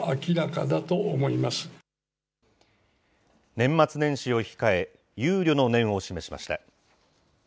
年末年始を控え、憂慮の念を示しました。